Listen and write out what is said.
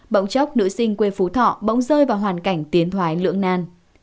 bỗng chốc nữ sinh quê phú thọ bỗng rơi vào hoàn cảnh tiến thoái lưỡng nan